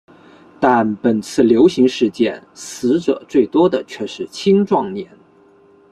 但本次流行事件死者最多的却是青壮年。